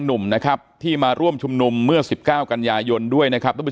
หนุ่มนะครับที่มาร่วมชุมนุมเมื่อ๑๙กันยายนด้วยนะครับทุกผู้